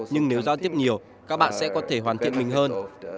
nhưng nếu giao tiếp nhiều các bạn sẽ có thể hoàn thiện mình hơn